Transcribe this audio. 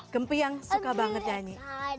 gempy yang suka banget nyanyi